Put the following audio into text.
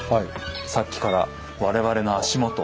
さっきから我々の足元。